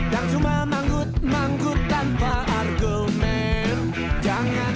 dan cuma manggut manggut tanpa argumen